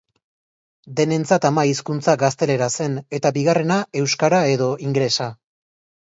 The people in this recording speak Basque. Denentzat ama hizkuntza gaztelera zen, eta bigarrena euskara edo inglesa.